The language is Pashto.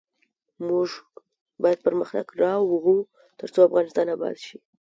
موږ باید پرمختګ راوړو ، ترڅو افغانستان اباد شي.